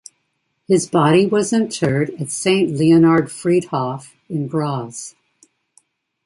His body was interred at Saint Leonhard-Friedhof in Graz.